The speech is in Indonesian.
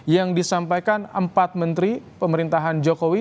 yang disampaikan empat menteri pemerintahan jokowi